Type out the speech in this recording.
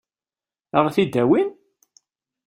Ad ɣ-t-id-awin?